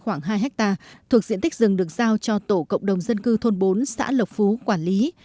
khoảng hai hectare thuộc diện tích rừng được giao cho tổ cộng đồng dân cư thôn bốn xã lộc phú quản lý